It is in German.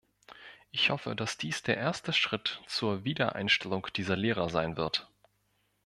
Ich hoffe, dass dies der erste Schritt zur Wiedereinstellung dieser Lehrer sein wird.